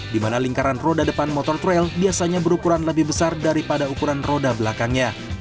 di mana lingkaran roda depan motor trail biasanya berukuran lebih besar daripada ukuran roda belakangnya